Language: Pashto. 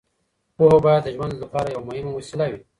پوهه باید د ژوند لپاره یوه مهمه وسیله وي.